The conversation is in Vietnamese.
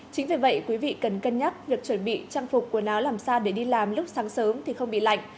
chính vì vậy quý vị cần cân nhắc việc chuẩn bị trang phục quần áo làm sao để đi làm lúc sáng sớm thì không bị lạnh